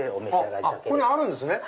ここにあるんですね